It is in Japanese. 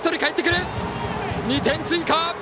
２点追加！